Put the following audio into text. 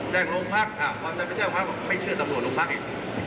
แจ้งโรงพรรคอ่ะพอแจ้งความว่าไม่เชื่อตำรวจโรงพรรคอีก